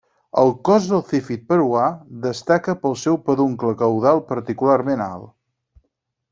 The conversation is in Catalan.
El cos del zífid peruà destaca pel seu peduncle caudal particularment alt.